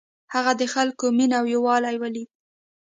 هغه د خلکو مینه او یووالی ولید.